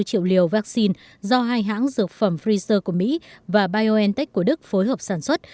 sáu bốn triệu liều vaccine do hai hãng dược phẩm freezer của mỹ và biontech của đức phối hợp sản xuất